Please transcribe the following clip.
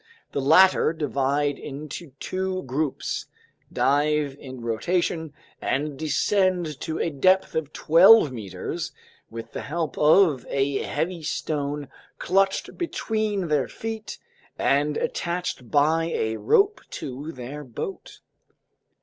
The latter divide into two groups, dive in rotation, and descend to a depth of twelve meters with the help of a heavy stone clutched between their feet and attached by a rope to their boat."